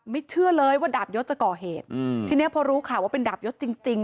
เชื่อเลยว่าดาบยศจะก่อเหตุอืมทีเนี้ยพอรู้ข่าวว่าเป็นดาบยศจริงจริง